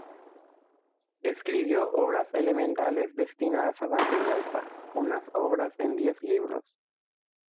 Escribió obras elementales destinadas a la enseñanza, unas Reglas en diez libros.